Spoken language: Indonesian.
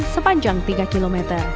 sepanjang tiga km